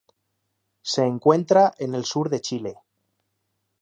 Se encuentra en el sur de Chile.